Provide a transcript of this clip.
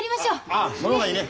ああその方がいいね。